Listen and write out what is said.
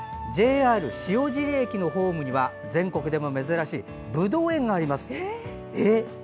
ＪＲ塩尻駅のホームには全国でも珍しいぶどう園があります。